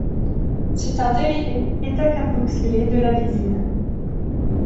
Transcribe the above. C'est un dérivé ε-carboxylé de la lysine.